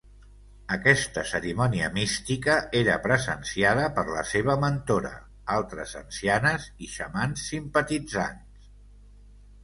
Aquesta cerimònia mística era presenciada per la seva mentora, altres ancianes i xamans simpatitzants.